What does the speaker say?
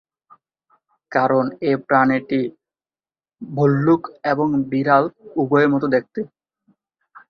কারণ এ প্রাণীটি ভল্লুক এবং বিড়াল- উভয়ের মত দেখতে।